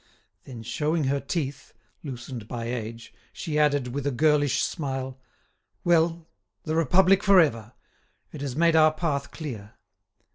Then, showing her teeth, loosened by age, she added, with a girlish smile: "Well, the Republic for ever! It has made our path clear."